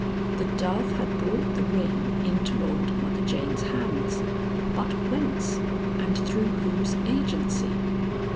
The dove had brought the ring into old Mother Jane's hands, but whence and through whose agency?